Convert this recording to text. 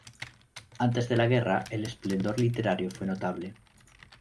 Antes de la guerra, el esplendor literario fue notable.